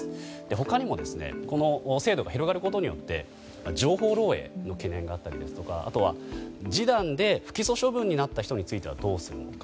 他にもこの制度が広がることによって情報漏洩の懸念があったりですとかあとは示談で不起訴処分になった人についてはどうするのか。